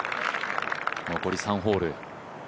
残り３ホール。